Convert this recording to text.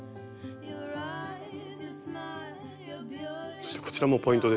そしてこちらもポイントですね。